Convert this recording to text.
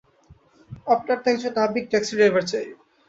আপনার তো একজন নাবিক ট্যাক্সি ড্রাইভার চাই।